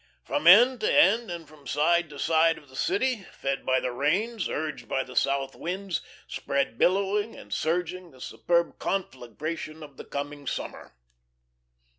From end to end and from side to side of the city, fed by the rains, urged by the south winds, spread billowing and surging the superb conflagration of the coming summer.